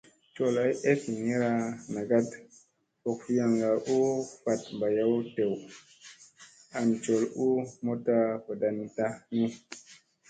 Col ay ek ɦinira nagat vok fianga u fat mbayaw dew an col u motta wadan nda ni.